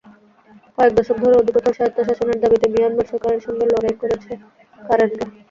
কয়েক দশক ধরে অধিকতর স্বায়ত্তশাসনের দাবিতে মিয়ানমার সরকারের সঙ্গে লড়াই করছে কারেনরা।